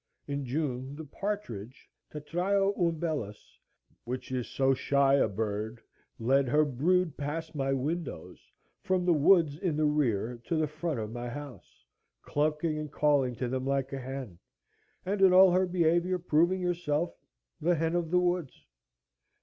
In June the partridge (Tetrao umbellus,) which is so shy a bird, led her brood past my windows, from the woods in the rear to the front of my house, clucking and calling to them like a hen, and in all her behavior proving herself the hen of the woods.